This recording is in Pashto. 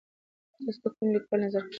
تاسو د کوم لیکوال نظر خوښوئ؟